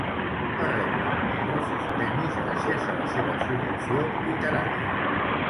Va rebre nombrosos premis gràcies a la seva producció literària.